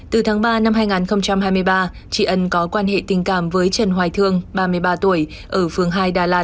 từ tháng ba năm hai nghìn hai mươi ba chị ân có quan hệ tình cảm với trần hoài thương ba mươi ba tuổi ở phường hai đà lạt